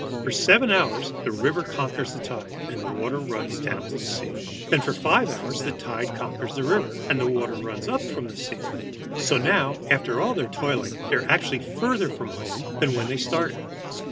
For seven hours the river conquers the tide, and the water runs down to sea. Then for five hours the tide conquers the river, and the water runs up from the sea. So now, after all their toiling, they are actually further from home than when they started.